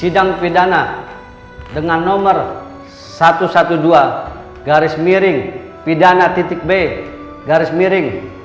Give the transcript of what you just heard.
dan memohon untuk berdiri